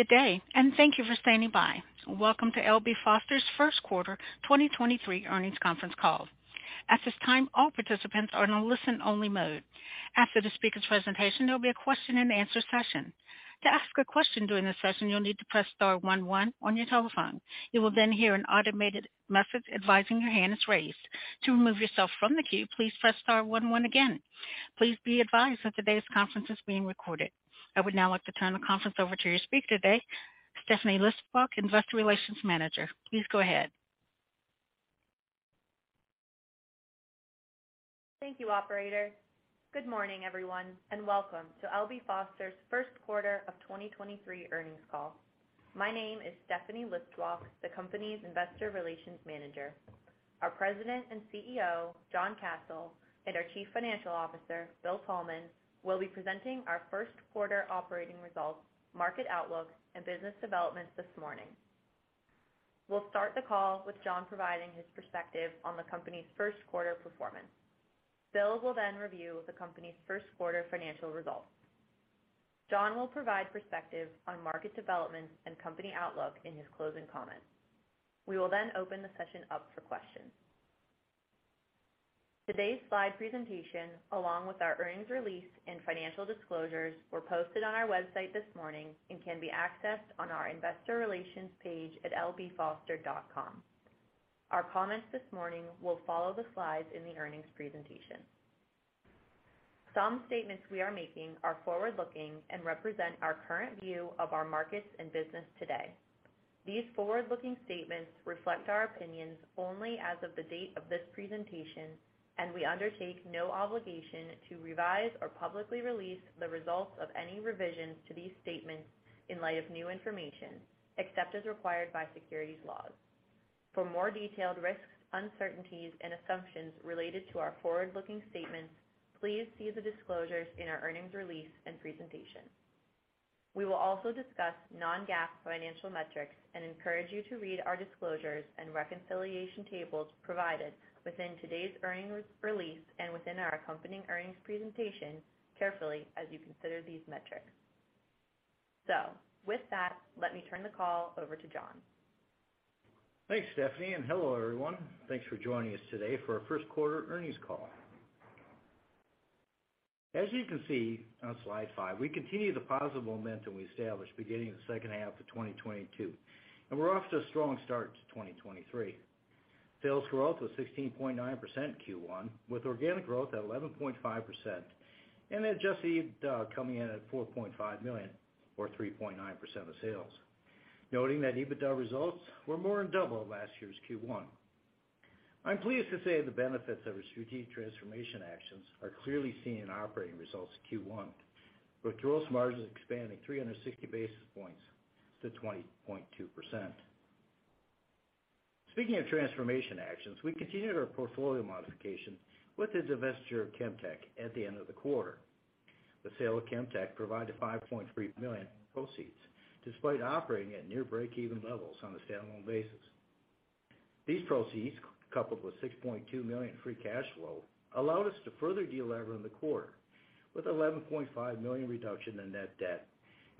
Good day, and thank you for standing by. Welcome to L.B. Foster's first quarter 2023 earnings conference call. At this time, all participants are in a listen only mode. After the speaker's presentation, there'll be a question and answer session. To ask a question during this session, you'll need to Press Star 11 on your telephone. You will then hear an automated message advising your hand is raised. To remove yourself from the queue, please press star 11 again. Please be advised that today's conference is being recorded. I would now like to turn the conference over to your speaker today, Stephanie Listwak, Investor Relations Manager. Please go ahead. Thank you, Operator. Good morning, everyone, and welcome to L.B. Foster's first quarter of 2023 earnings call. My name is Stephanie Listwak, the company's Investor Relations Manager. Our President and CEO, John Kasel, and our Chief Financial Officer, Bill Thalman, will be presenting our first quarter operating results, market outlook, and business developments this morning. We'll start the call with John providing his perspective on the company's first quarter performance. Bill will then review the company's first quarter financial results. John will provide perspective on market developments and company outlook in his closing comments. We will then open the session up for questions. Today's slide presentation, along with our earnings release and financial disclosures, were posted on our website this morning and can be accessed on our investor relations page at lbfoster.com. Our comments this morning will follow the slides in the earnings presentation. Some statements we are making are forward-looking and represent our current view of our markets and business today. These forward-looking statements reflect our opinions only as of the date of this presentation, and we undertake no obligation to revise or publicly release the results of any revisions to these statements in light of new information, except as required by securities laws. For more detailed risks, uncertainties, and assumptions related to our forward-looking statements, please see the disclosures in our earnings release and presentation. We will also discuss non-GAAP financial metrics and encourage you to read our disclosures and reconciliation tables provided within today's earnings release and within our accompanying earnings presentation carefully as you consider these metrics. With that, let me turn the call over to John. Thanks, Stephanie, and hello, everyone. Thanks for joining us today for our first quarter earnings call. As you can see on slide five, we continue the positive momentum we established beginning in the second half of 2022. We're off to a strong start to 2023. Sales growth was 16.9% in Q1, with organic growth at 11.5%. Adjusted EBITDA coming in at $4.5 million or 3.9% of sales. Noting that EBITDA results were more than double last year's Q1. I'm pleased to say the benefits of our strategic transformation actions are clearly seen in operating results in Q1, with gross margins expanding 360 basis points to 20.2%. Speaking of transformation actions, we continued our portfolio modification with the divestiture of Chemtec at the end of the quarter. The sale of Chemtec provided $5.3 million proceeds, despite operating at near breakeven levels on a standalone basis. These proceeds, coupled with $6.2 million free cash flow, allowed us to further delever in the quarter, with $11.5 million reduction in net debt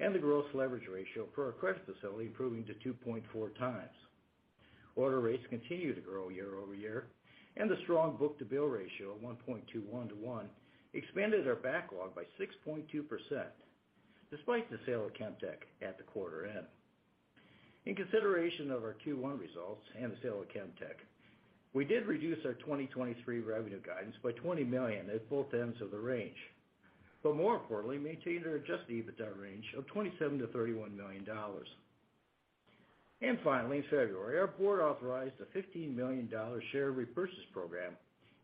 and the gross leverage ratio for our credit facility improving to 2.4x. Order rates continue to grow year-over-year, and the strong book-to-bill ratio of 1.21-1 expanded our backlog by 6.2%, despite the sale of Chemtec at the quarter end. In consideration of our Q1 results and the sale of Chemtec, we did reduce our 2023 revenue guidance by $20 million at both ends of the range, but more importantly, maintained our adjusted EBITDA range of $27 million-$31 million. Finally, in February, our board authorized a $15 million share repurchase program,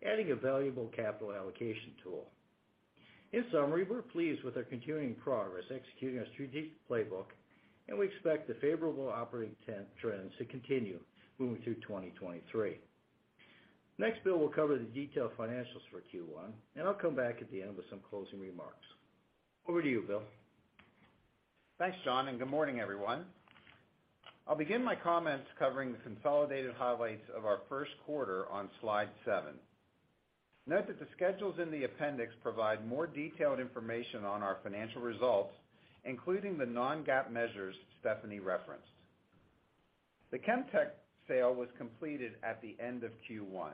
adding a valuable capital allocation tool. In summary, we're pleased with our continuing progress executing our strategic playbook, and we expect the favorable operating trends to continue moving through 2023. Next, Bill will cover the detailed financials for Q1, and I'll come back at the end with some closing remarks. Over to you, Bill. Thanks, John, good morning, everyone. I'll begin my comments covering the consolidated highlights of our first quarter on slide seven. Note that the schedules in the appendix provide more detailed information on our financial results, including the non-GAAP measures Stephanie referenced. The Chemtec sale was completed at the end of Q1,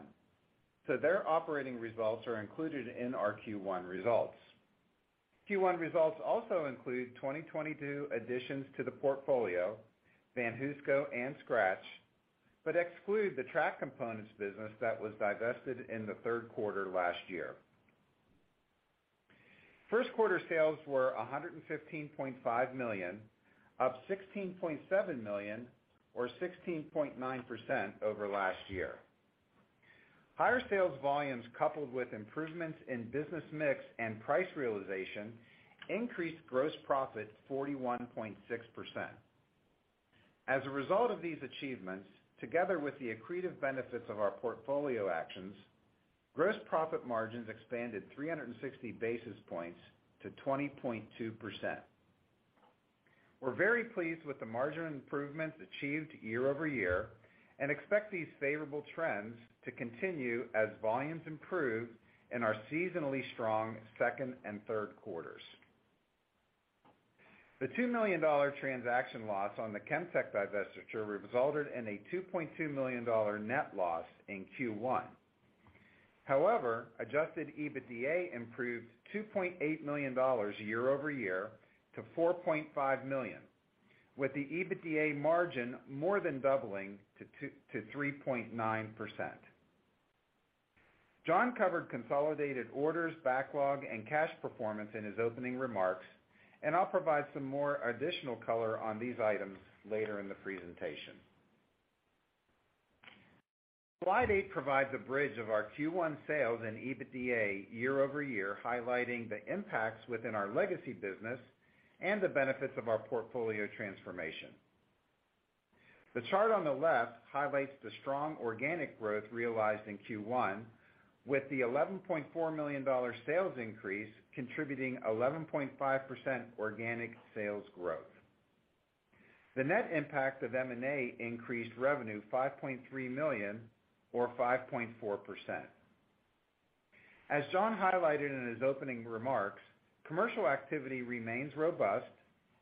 their operating results are included in our Q1 results. Q1 results also include 2022 additions to the portfolio, VanHooseCo and Skratch, exclude the Track Components business that was divested in the third quarter last year. First quarter sales were $115.5 million, up $16.7 million or 16.9% over last year. Higher sales volumes coupled with improvements in business mix and price realization increased gross profit 41.6%. As a result of these achievements, together with the accretive benefits of our portfolio actions, gross profit margins expanded 360 basis points to 20.2%. We're very pleased with the margin improvements achieved year-over-year and expect these favorable trends to continue as volumes improve in our seasonally strong second and third quarters. The $2 million transaction loss on the Chemtec divestiture resulted in a $2.2 million net loss in Q1. However, adjusted EBITDA improved $2.8 million year-over-year to $4.5 million, with the EBITDA margin more than doubling to 3.9%. John covered consolidated orders, backlog, and cash performance in his opening remarks. I'll provide some more additional color on these items later in the presentation. Slide eight provides a bridge of our Q1 sales and EBITDA year-over-year, highlighting the impacts within our legacy business and the benefits of our portfolio transformation. The chart on the left highlights the strong organic growth realized in Q1, with the $11.4 million sales increase contributing 11.5% organic sales growth. The net impact of M&A increased revenue $5.3 million or 5.4%. As John highlighted in his opening remarks, commercial activity remains robust,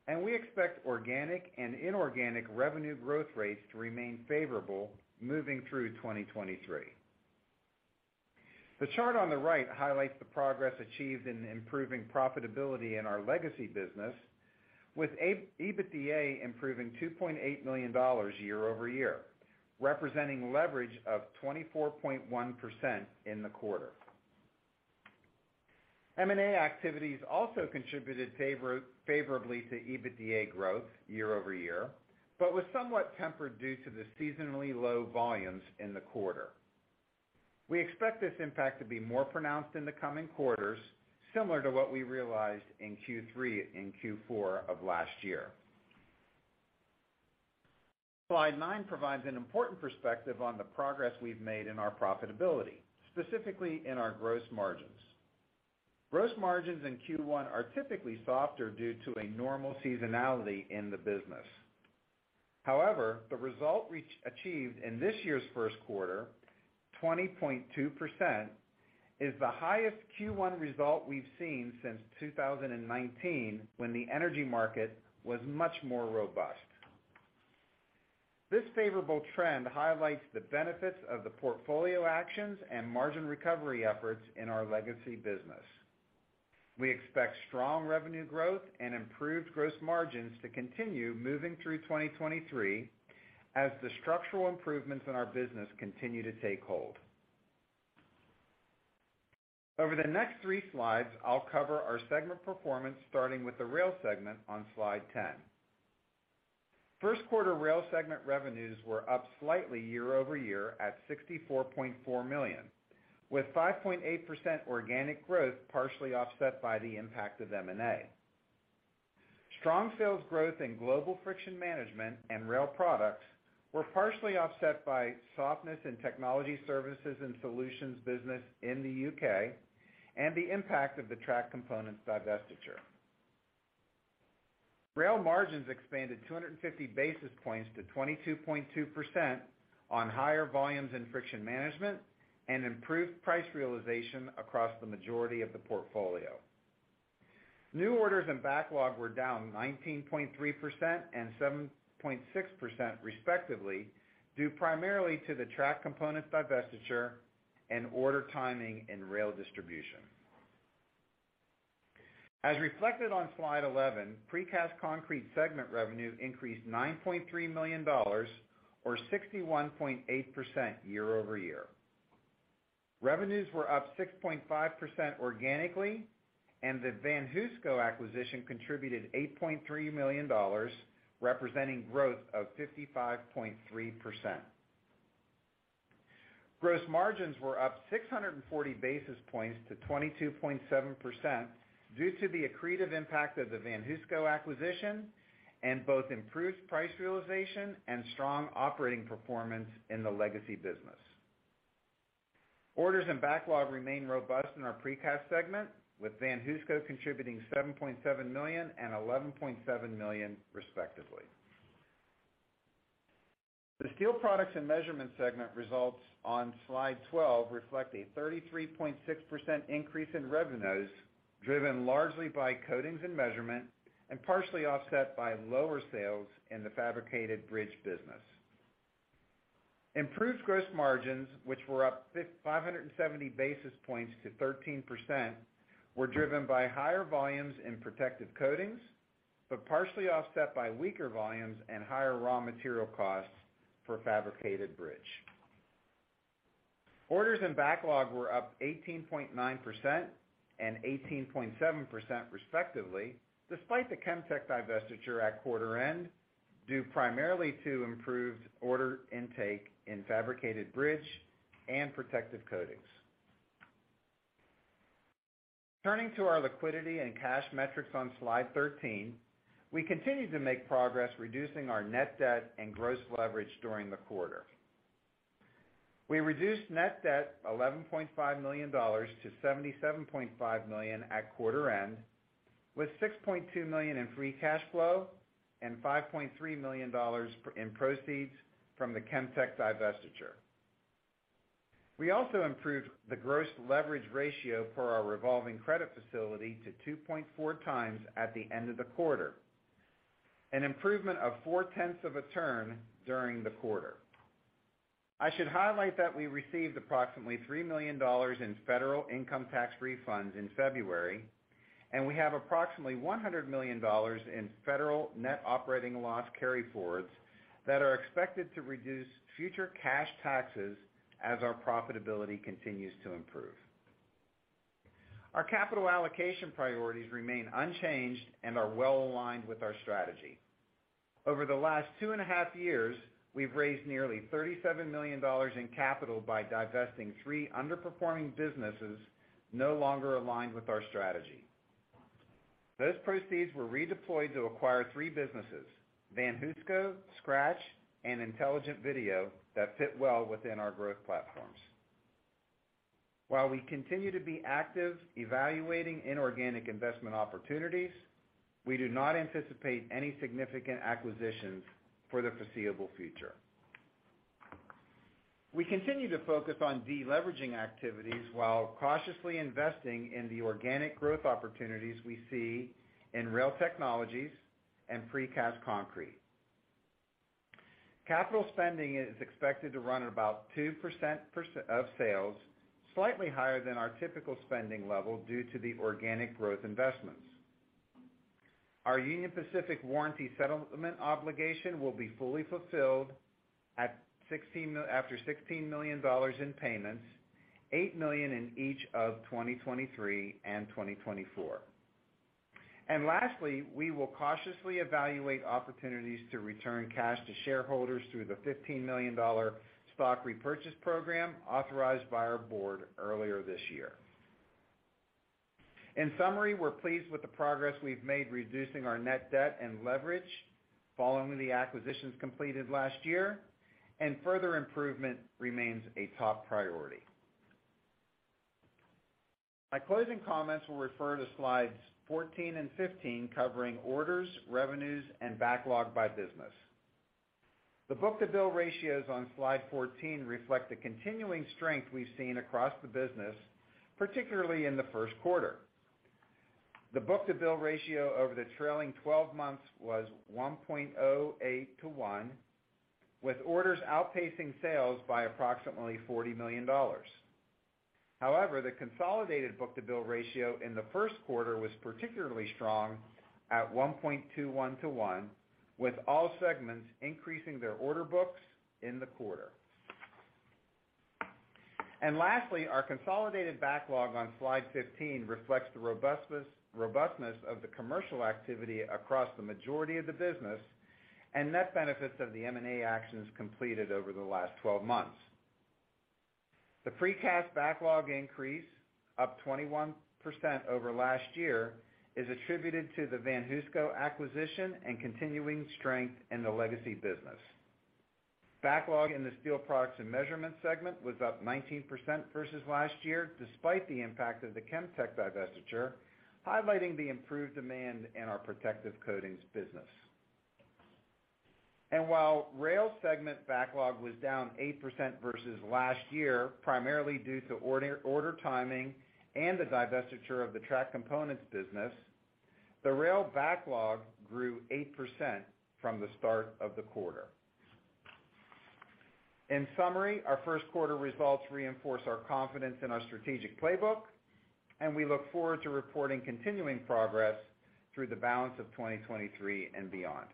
and we expect organic and inorganic revenue growth rates to remain favorable moving through 2023. The chart on the right highlights the progress achieved in improving profitability in our legacy business, with A-EBITDA improving $2.8 million year-over-year, representing leverage of 24.1% in the quarter. M&A activities also contributed favorably to EBITDA growth year-over-year, but was somewhat tempered due to the seasonally low volumes in the quarter. We expect this impact to be more pronounced in the coming quarters, similar to what we realized in Q3 and Q4 of last year. Slide nine provides an important perspective on the progress we've made in our profitability, specifically in our gross margins. Gross margins in Q1 are typically softer due to a normal seasonality in the business. However, the result achieved in this year's first quarter, 20.2%, is the highest Q1 result we've seen since 2019 when the energy market was much more robust. This favorable trend highlights the benefits of the portfolio actions and margin recovery efforts in our legacy business. We expect strong revenue growth and improved gross margins to continue moving through 2023 as the structural improvements in our business continue to take hold. Over the next three slides, I'll cover our segment performance, starting with the Rail segment on slide 10. First quarter Rail segment revenues were up slightly year-over-year at $64.4 million, with 5.8% organic growth partially offset by the impact of M&A. Strong sales growth in Global Friction Management and rail products were partially offset by softness in Technology Services and Solutions business in the U.K. and the impact of the Track Components divestiture. Rail margins expanded 250 basis points to 22.2% on higher volumes in friction management and improved price realization across the majority of the portfolio. New orders and backlog were down 19.3% and 7.6% respectively, due primarily to the Track Components divestiture and order timing in Rail distribution. As reflected on slide 11, Precast Concrete segment revenues increased $9.3 million or 61.8% year-over-year. Revenues were up 6.5% organically, and the VanHooseCo acquisition contributed $8.3 million, representing growth of 55.3%. Gross margins were up 640 basis points to 22.7% due to the accretive impact of the VanHooseCo acquisition and both improved price realization and strong operating performance in the legacy business. Orders and backlog remain robust in our Precast segment, with VanHooseCo contributing $7.7 million and $11.7 million respectively. The Steel Products and Measurement segment results on slide 12 reflect a 33.6% increase in revenues, driven largely by coatings and measurement, and partially offset by lower sales in the Fabricated Bridge business. Improved gross margins, which were up 570 basis points to 13%, were driven by higher volumes in Protective Coatings, but partially offset by weaker volumes and higher raw material costs for Fabricated Bridge. Orders and backlog were up 18.9% and 18.7% respectively, despite the Chemtec divestiture at quarter end, due primarily to improved order intake in Fabricated Bridge and Protective Coatings. Turning to our liquidity and cash metrics on slide 13, we continue to make progress reducing our net debt and gross leverage during the quarter. We reduced net debt $11.5 million-$77.5 million at quarter end, with $6.2 million in free cash flow and $5.3 million in proceeds from the Chemtec divestiture. We also improved the gross leverage ratio for our revolving credit facility to 2.4x at the end of the quarter, an improvement of four-tenths of a turn during the quarter. I should highlight that we received approximately $3 million in federal income tax refunds in February, We have approximately $100 million in federal net operating loss carryforwards that are expected to reduce future cash taxes as our profitability continues to improve. Our capital allocation priorities remain unchanged and are well aligned with our strategy. Over the last two and a half years, we've raised nearly $37 million in capital by divesting three underperforming businesses no longer aligned with our strategy. Those proceeds were redeployed to acquire three businesses: VanHooseCo, Skratch, and Intelligent Video, that fit well within our growth platforms. While we continue to be active evaluating inorganic investment opportunities, we do not anticipate any significant acquisitions for the foreseeable future. We continue to focus on deleveraging activities while cautiously investing in the organic growth opportunities we see in rail technologies and precast concrete. Capital spending is expected to run at about 2% of sales, slightly higher than our typical spending level due to the organic growth investments. Our Union Pacific warranty settlement obligation will be fully fulfilled after $16 million in payments, $8 million in each of 2023 and 2024. Lastly, we will cautiously evaluate opportunities to return cash to shareholders through the $15 million stock repurchase program authorized by our board earlier this year. In summary, we're pleased with the progress we've made reducing our net debt and leverage following the acquisitions completed last year, and further improvement remains a top priority. My closing comments will refer to Slides 14 and 15, covering orders, revenues, and backlog by business. The book-to-bill ratios on Slide 14 reflect the continuing strength we've seen across the business, particularly in the first quarter. The book-to-bill ratio over the trailing 12 months was 1.08-1, with orders outpacing sales by approximately $40 million. The consolidated book-to-bill ratio in the first quarter was particularly strong at 1.21 -1, with all segments increasing their order books in the quarter. Lastly, our consolidated backlog on Slide 15 reflects the robustness of the commercial activity across the majority of the business and net benefits of the M&A actions completed over the last 12 months. The Precast backlog increase, up 21% over last year, is attributed to the VanHooseCo acquisition and continuing strength in the legacy business. Backlog in the Steel Products and Measurement segment was up 19% versus last year, despite the impact of the Chemtec divestiture, highlighting the improved demand in our Protective Coatings business. While Rail segment backlog was down 8% versus last year, primarily due to order timing and the divestiture of the Track Components business, the Rail backlog grew 8% from the start of the quarter. In summary, our first quarter results reinforce our confidence in our strategic playbook. We look forward to reporting continuing progress through the balance of 2023 and beyond.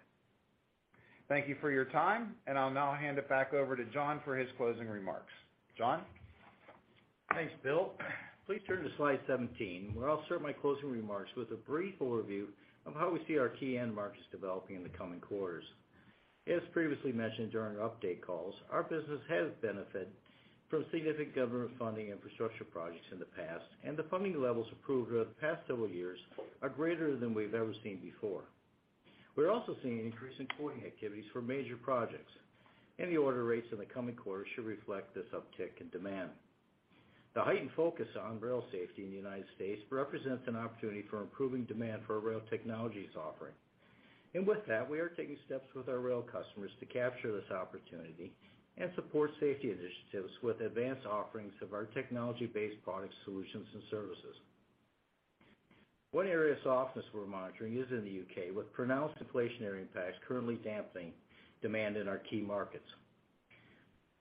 Thank you for your time. I'll now hand it back over to John for his closing remarks. John? Thanks, Bill. Please turn to slide 17, where I'll start my closing remarks with a brief overview of how we see our key end markets developing in the coming quarters. As previously mentioned during our update calls, our business has benefited from significant government funding infrastructure projects in the past. The funding levels approved over the past several years are greater than we've ever seen before. We're also seeing an increase in quoting activities for major projects. The order rates in the coming quarters should reflect this uptick in demand. The heightened focus on rail safety in the United States represents an opportunity for improving demand for our rail technologies offering. With that, we are taking steps with our rail customers to capture this opportunity and support safety initiatives with advanced offerings of our technology-based product solutions and services. One area of softness we're monitoring is in the U.K. with pronounced deflationary impacts currently damping demand in our key markets.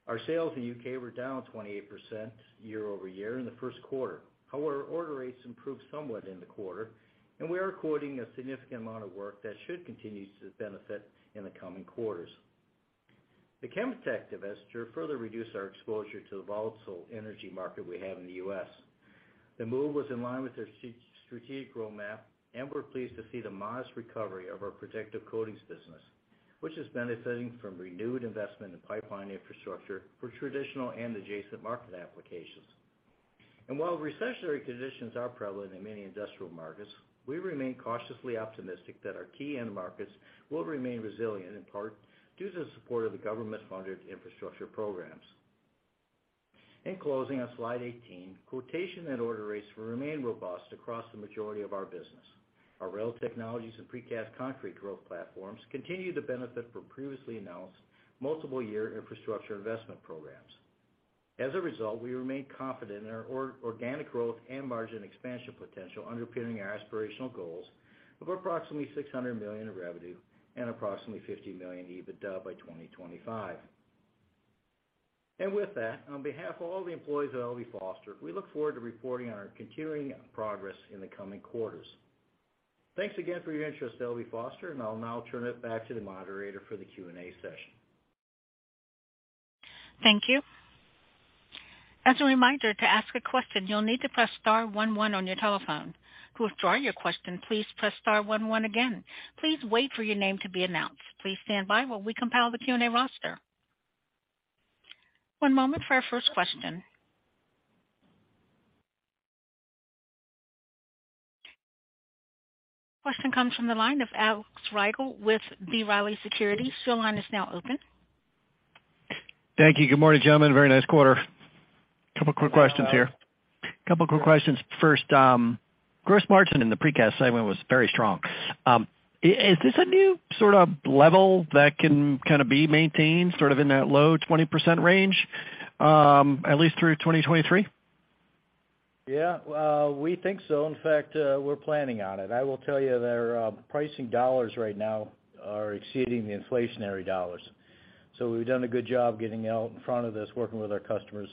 Our sales in U.K. were down 28% year-over-year in the first quarter. However, order rates improved somewhat in the quarter, and we are quoting a significant amount of work that should continue to benefit in the coming quarters. The Chemtec divestiture further reduced our exposure to the volatile energy market we have in the U.S. The move was in line with their strategic roadmap, and we're pleased to see the modest recovery of our Protective Coatings business, which is benefiting from renewed investment in pipeline infrastructure for traditional and adjacent market applications. While recessionary conditions are prevalent in many industrial markets, we remain cautiously optimistic that our key end markets will remain resilient, in part due to the support of the government-funded infrastructure programs. In closing, on slide 18, quotation and order rates will remain robust across the majority of our business. Our rail technologies and Precast Concrete Products growth platforms continue to benefit from previously announced multiple year infrastructure investment programs. As a result, we remain confident in our organic growth and margin expansion potential underpinning our aspirational goals of approximately $600 million in revenue and approximately $50 million EBITDA by 2025. With that, on behalf of all the employees at L.B. Foster, we look forward to reporting on our continuing progress in the coming quarters. Thanks again for your interest at L.B. Foster, and I'll now turn it back to the moderator for the Q&A session. Thank you. As a reminder to ask a question, you'll need to press star one one on your telephone. To withdraw your question, please press star one one again. Please wait for your name to be announced. Please stand by while we compile the Q&A roster. One moment for our first question. Question comes from the line of Alex Rygiel with B. Riley Securities. Your line is now open. Thank you. Good morning, gentlemen. Very nice quarter. Couple quick questions here. First, gross margin in the Precast segment was very strong. Is this a new sort of level that can kind of be maintained sort of in that low 20% range, at least through 2023? Yeah. We think so. In fact, we're planning on it. I will tell you that our pricing dollars right now are exceeding the inflationary dollars. We've done a good job getting out in front of this, working with our customers.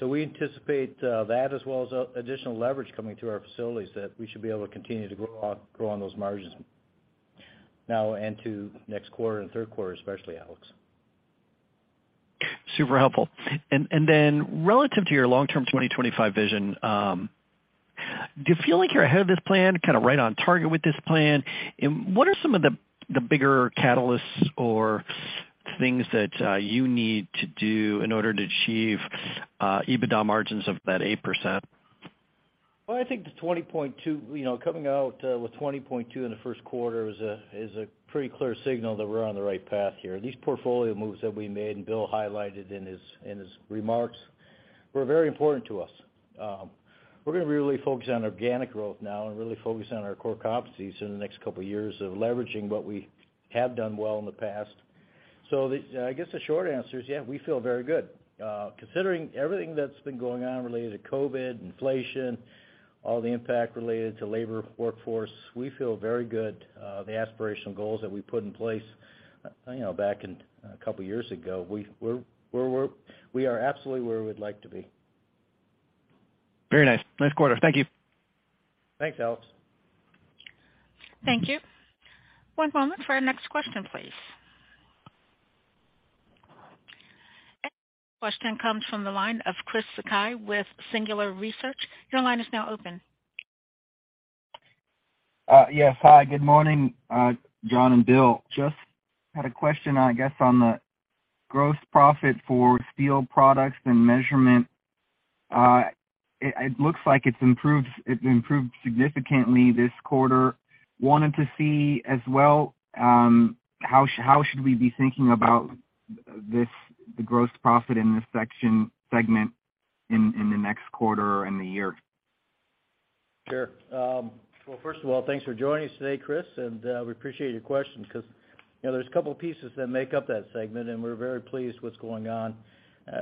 We anticipate that as well as additional leverage coming to our facilities, that we should be able to continue to grow on those margins now and to next quarter and third quarter, especially, Alex. Super helpful. Relative to your long-term 2025 vision, do you feel like you're ahead of this plan, kinda right on target with this plan? What are some of the bigger catalysts or things that you need to do in order to achieve EBITDA margins of that 8%? Well, I think the 20.2, you know, coming out with 20.2 in the first quarter is a pretty clear signal that we're on the right path here. These portfolio moves that we made and Bill highlighted in his remarks, were very important to us. We're gonna really focus on organic growth now and really focus on our core competencies in the next couple of years of leveraging what we have done well in the past. The I guess, the short answer is, yeah, we feel very good. Considering everything that's been going on related to COVID, inflation, all the impact related to labor workforce, we feel very good. The aspirational goals that we put in place, you know, back in, a couple of years ago, we're where we are absolutely where we'd like to be. Very nice. Nice quarter. Thank you. Thanks, Alex. Thank you. One moment for our next question, please. Next question comes from the line of Chris Sakai with Singular Research. Your line is now open. Yes. Hi, good morning, John and Bill. Just had a question, I guess, on the gross profit for Steel Products and Measurement. It looks like it's improved, it improved significantly this quarter. Wanted to see as well, how should we be thinking about this, the gross profit in this section segment in the next quarter and the year? Sure. Well, first of all, thanks for joining us today, Chris, we appreciate your questions because, you know, there's a couple of pieces that make up that segment, we're very pleased what's going on,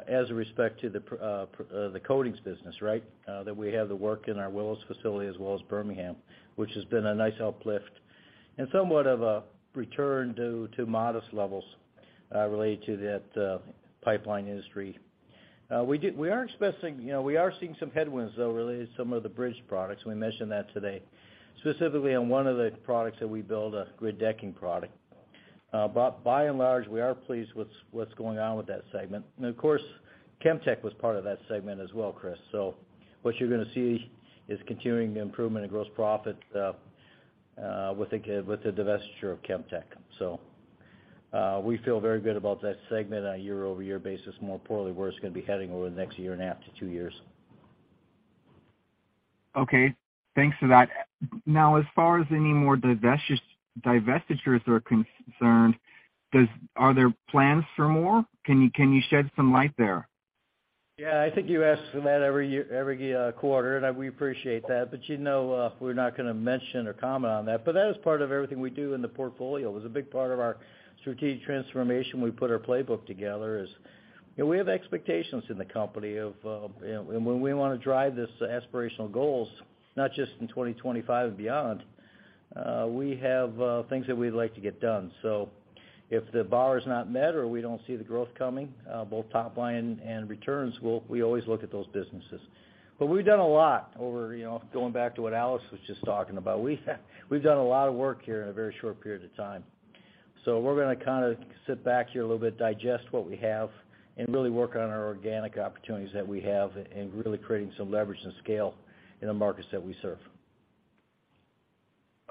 as a respect to the coatings business, right? That we have the work in our Willows facility as well as Birmingham, which has been a nice uplift and somewhat of a return to modest levels, related to that pipeline industry. We are expecting, you know, we are seeing some headwinds, though, related to some of the bridge products. We mentioned that today, specifically on one of the products that we build, a grid decking product. By and large, we are pleased with what's going on with that segment. Of course, Chemtec was part of that segment as well, Chris. What you're gonna see is continuing improvement in gross profit with the divestiture of Chemtec. We feel very good about that segment on a year-over-year basis, more importantly, where it's gonna be heading over the next year and a half to two years. Okay. Thanks for that. As far as any more divestitures are concerned, are there plans for more? Can you shed some light there? Yeah. I think you ask that every year, quarter, and we appreciate that. You know, we're not gonna mention or comment on that. That is part of everything we do in the portfolio. It was a big part of our strategic transformation we put our playbook together is, you know, we have expectations in the company of, you know, and when we wanna drive this aspirational goals, not just in 2025 and beyond, we have things that we'd like to get done. If the bar is not met or we don't see the growth coming, both top line and returns, we always look at those businesses. We've done a lot over, you know, going back to what Alex was just talking about. We've done a lot of work here in a very short period of time. We're gonna kind of sit back here a little bit, digest what we have, and really work on our organic opportunities that we have and really creating some leverage and scale in the markets that we serve.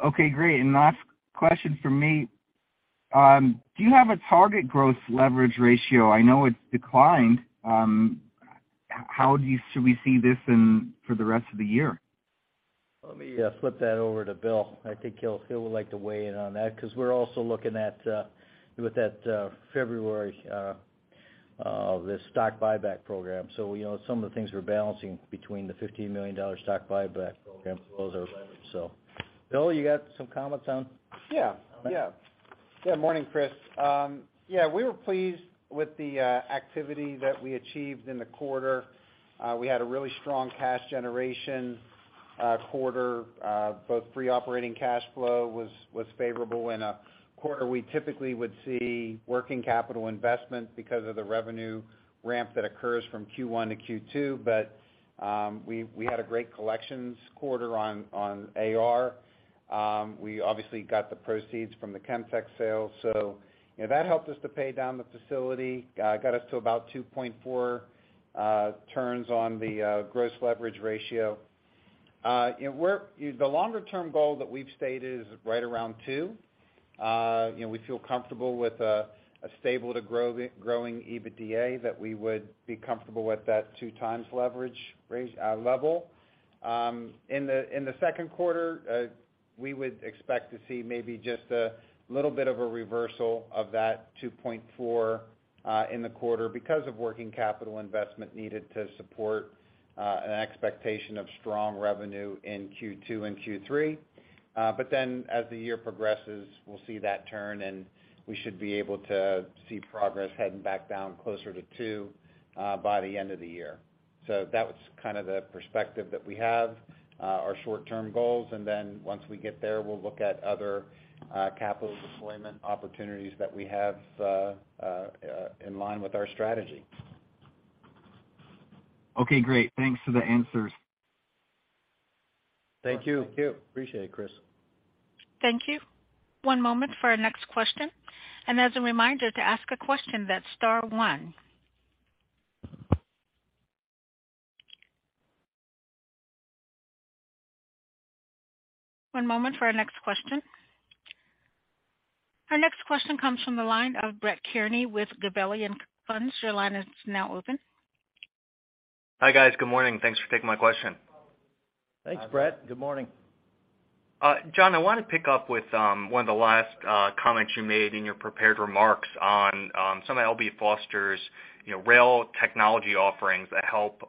Okay, great. Last question from me. Do you have a target gross leverage ratio? I know it's declined. How should we see this in for the rest of the year? Let me flip that over to Bill. I think he'll like to weigh in on that because we're also looking at with that February the stock buyback program. You know, some of the things we're balancing between the $15 million stock buyback program as well as our leverage. Bill, you got some comments on- Yeah. Yeah. Yeah. Morning, Chris. Yeah, we were pleased with the activity that we achieved in the quarter. We had a really strong cash generation quarter, both free operating cash flow was favorable in a quarter we typically would see working capital investment because of the revenue ramp that occurs from Q1 to Q2. We had a great collections quarter on AR. We obviously got the proceeds from the Chemtec sale, you know, that helped us to pay down the facility, got us to about 2.4 turns on the gross leverage ratio. The longer-term goal that we've stated is right around two. You know, we feel comfortable with a stable to growing EBITDA that we would be comfortable with that 2x leverage level. In the, in the second quarter, we would expect to see maybe just a little bit of a reversal of that 2.4 in the quarter because of working capital investment needed to support an expectation of strong revenue in Q2 and Q3. As the year progresses, we'll see that turn, and we should be able to see progress heading back down closer to two by the end of the year. That was kind of the perspective that we have, our short-term goals, and then once we get there, we'll look at other capital deployment opportunities that we have in line with our strategy. Okay, great. Thanks for the answers. Thank you. Thank you. Appreciate it, Chris. Thank you. One moment for our next question. As a reminder to ask a question, that's star one. One moment for our next question. Our next question comes from the line of Brett Kearney with Gabelli Funds. Your line is now open. Hi, guys. Good morning. Thanks for taking my question. Thanks, Brett. Good morning. John, I wanna pick up with one of the last comments you made in your prepared remarks on some of L.B. Foster's, you know, rail technology offerings that help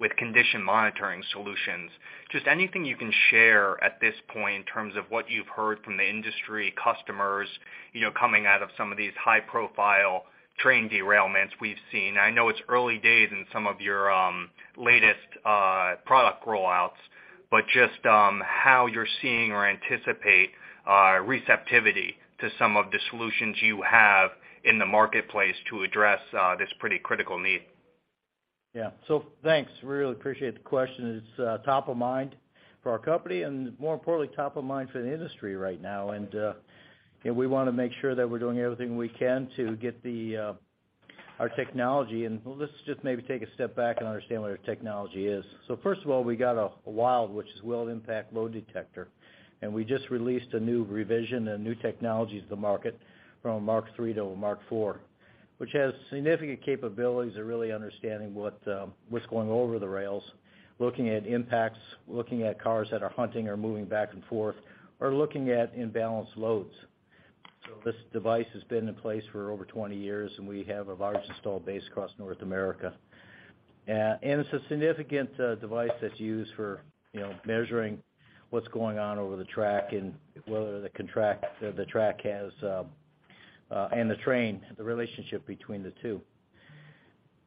with condition monitoring solutions. Just anything you can share at this point in terms of what you've heard from the industry customers, you know, coming out of some of these high-profile train derailments we've seen. I know it's early days in some of your latest product rollouts, but just how you're seeing or anticipate receptivity to some of the solutions you have in the marketplace to address this pretty critical need? Yeah. Thanks. Really appreciate the question. It's top of mind for our company and more importantly, top of mind for the industry right now. You know, we wanna make sure that we're doing everything we can to get our technology. Let's just maybe take a step back and understand what our technology is. First of all, we got a WILD, which is Wheel Impact Load Detector, and we just released a new revision and new technologies to market from a WILD III to a WILD IV, which has significant capabilities of really understanding what's going over the rails, looking at impacts, looking at cars that are hunting or moving back and forth, or looking at imbalanced loads. This device has been in place for over 20 years, and we have a large install base across North America. It's a significant device that's used for, you know, measuring what's going on over the track and whether the track has, and the train, the relationship between the two.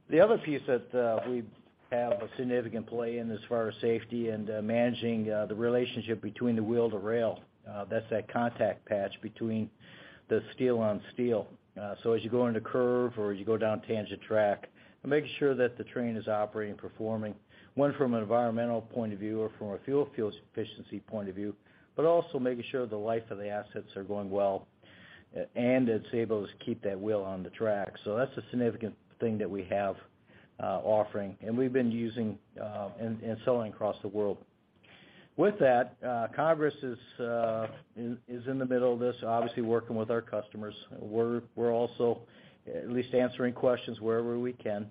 The other piece that we have a significant play in as far as safety and managing the relationship between the wheel to rail, that contact patch between the steel on steel. As you go in the curve or as you go down tangent track, we're making sure that the train is operating, performing, one from an environmental point of view or from a fuel efficiency point of view, but also making sure the life of the assets are going well, and it's able to keep that wheel on the track. That's a significant thing that we have offering, and we've been using and selling across the world. With that, Congress is in the middle of this, obviously working with our customers. We're also at least answering questions wherever we can.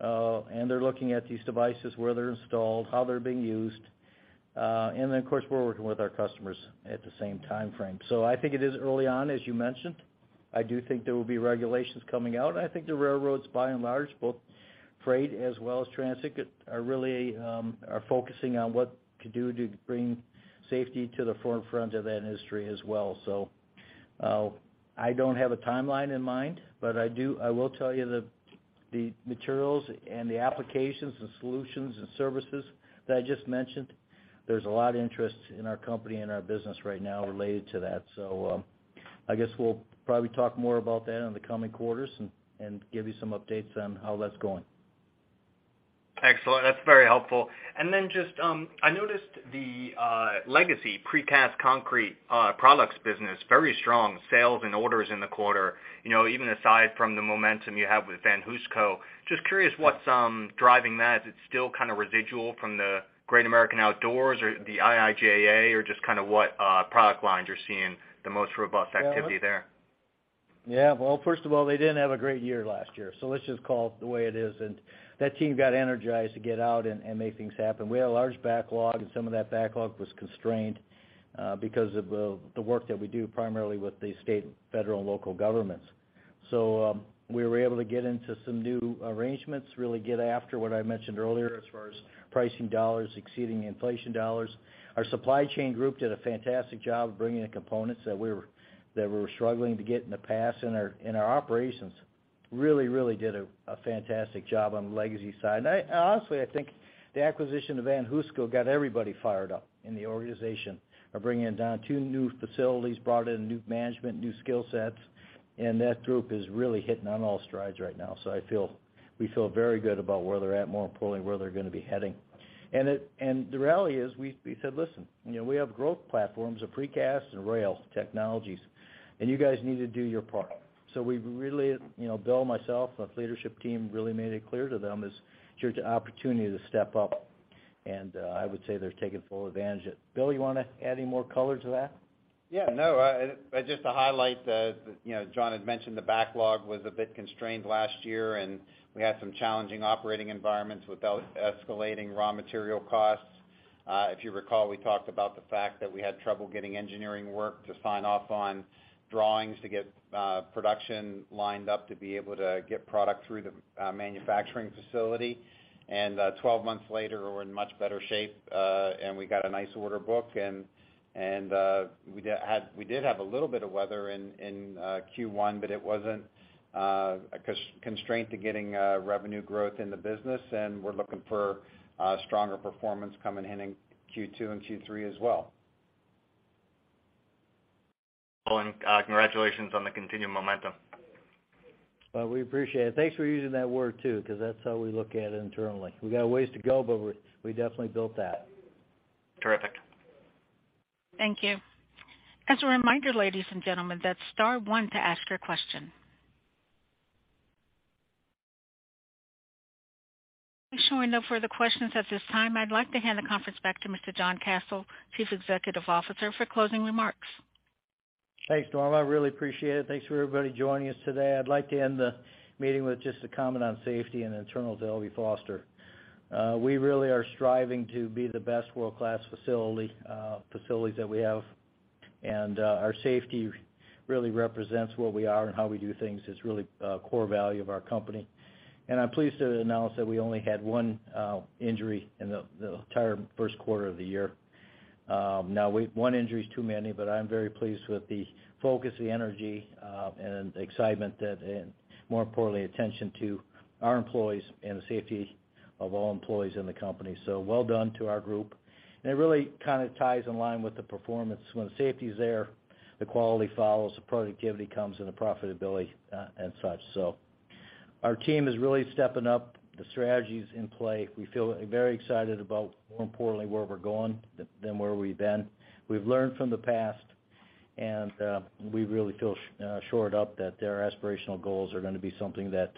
They're looking at these devices, where they're installed, how they're being used, and then, of course, we're working with our customers at the same timeframe. I think it is early on, as you mentioned. I do think there will be regulations coming out. I think the railroads, by and large, both freight as well as transit, are really focusing on what to do to bring safety to the forefront of that industry as well. I don't have a timeline in mind, but I will tell you the materials and the applications and solutions and services that I just mentioned, there's a lot of interest in our company and our business right now related to that. I guess we'll probably talk more about that in the coming quarters and give you some updates on how that's going. Excellent. That's very helpful. I noticed the legacy Precast Concrete Products business, very strong sales and orders in the quarter. You know, even aside from the momentum you have with VanHooseCo, just curious what's driving that. Is it still kinda residual from the Great American Outdoors Act or the IIJA or just kinda what product lines you're seeing the most robust activity there? Yeah. Well, first of all, they didn't have a great year last year, so let's just call it the way it is. That team got energized to get out and make things happen. We had a large backlog, and some of that backlog was constrained because of the work that we do primarily with the state, federal, and local governments. We were able to get into some new arrangements, really get after what I mentioned earlier as far as pricing dollars exceeding inflation dollars. Our supply chain group did a fantastic job of bringing the components that we were struggling to get in the past in our operations. Really did a fantastic job on the legacy side. I, honestly, I think the acquisition of VanHooseCo got everybody fired up in the organization of bringing down two new facilities, brought in new management, new skill sets, and that group is really hitting on all strides right now. We feel very good about where they're at, more importantly, where they're gonna be heading. The rally is we said, "Listen, you know, we have growth platforms of Precast and Rail Technologies, and you guys need to do your part." We really, you know, Bill, myself, the leadership team really made it clear to them, this is your opportunity to step up. I would say they're taking full advantage of it. Bill, you wanna add any more color to that? Yeah, no, just to highlight that, you know, John had mentioned the backlog was a bit constrained last year, and we had some challenging operating environments with the escalating raw material costs. If you recall, we talked about the fact that we had trouble getting engineering work to sign off on drawings to get production lined up to be able to get product through the manufacturing facility. 12 months later, we're in much better shape, and we got a nice order book and we did have a little bit of weather in Q1, but it wasn't a constraint to getting revenue growth in the business. We're looking for stronger performance coming in in Q2 and Q3 as well. Well, congratulations on the continued momentum. Well, we appreciate it. Thanks for using that word, too, 'cause that's how we look at it internally. We got ways to go. We definitely built that. Terrific. Thank you. As a reminder, ladies and gentlemen, that's star one to ask your question. We showing no further questions at this time. I'd like to hand the conference back to Mr. John Kasel, Chief Executive Officer, for closing remarks. Thanks, Norma. I really appreciate it. Thanks for everybody joining us today. I'd like to end the meeting with just a comment on safety and internal to L.B. Foster. We really are striving to be the best world-class facility, facilities that we have. Our safety really represents what we are and how we do things. It's really a core value of our company. I'm pleased to announce that we only had one injury in the entire first quarter of the year. Now one injury is too many, but I'm very pleased with the focus, the energy, and excitement that, and more importantly, attention to our employees and the safety of all employees in the company. Well done to our group. It really kinda ties in line with the performance. When safety is there, the quality follows, the productivity comes and the profitability, and such. Our team is really stepping up the strategies in play. We feel very excited about, more importantly, where we're going than where we've been. We've learned from the past, and we really feel shored up that their aspirational goals are gonna be something that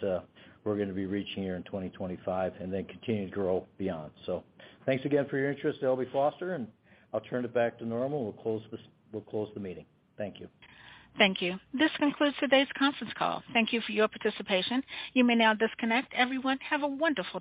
we're gonna be reaching here in 2025 and then continue to grow beyond. Thanks again for your interest in L.B. Foster, and I'll turn it back to Norma, and we'll close the meeting. Thank you. Thank you. This concludes today's Conference Call. Thank you for your participation. You may now disconnect. Everyone, have a wonderful day.